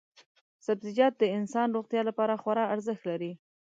سبزیجات د انسان روغتیا لپاره خورا ارزښت لري.